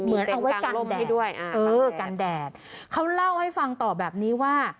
เหมือนเอาไว้กันแดดเออกันแดดเขาเล่าให้ฟังต่อแบบนี้ว่า